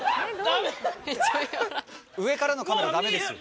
上からのカメラダメですよ。